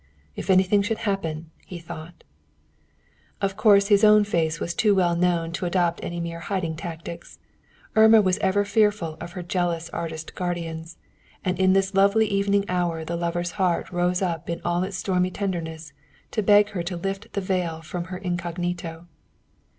"If anything should happen," he thought. Of course, his own face was too well known to adopt any mere hiding tactics. Irma was ever fearful of her jealous artist guardians, and in this lovely evening hour the lover's heart rose up in all its stormy tenderness to beg her to lift the veil from her incognito.